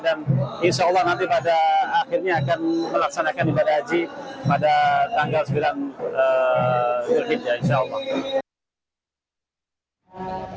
dan insya allah nanti pada akhirnya akan melaksanakan ibadah haji pada tanggal sembilan julhid ya insya allah